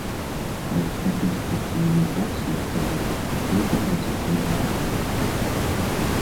А ў статыстыцы эміграцыі пераважаюць людзі працаздольнага ўзросту.